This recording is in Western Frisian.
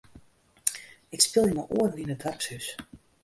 Ik spylje mei oaren yn it doarpshûs.